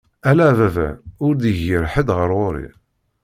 Ala a baba ur d-igir ḥed ɣer ɣur-i.